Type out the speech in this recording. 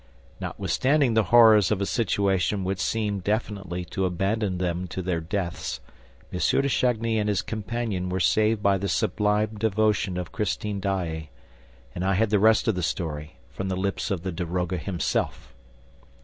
Notwithstanding the horrors of a situation which seemed definitely to abandon them to their deaths, M. de Chagny and his companion were saved by the sublime devotion of Christine Daae. And I had the rest of the story from the lips of the daroga himself.